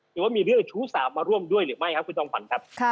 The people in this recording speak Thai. หรือว่ามีเรื่องชู้สาวมาร่วมด้วยหรือไม่ครับคุณจอมขวัญครับ